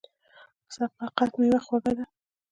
• د صداقت میوه خوږه وي.